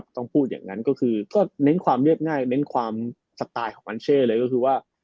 ต้องพูดอย่างนั้นก็คือก็เน้นความเรียบง่ายเน้นความสไตล์ของอัลเช่เลยก็คือว่า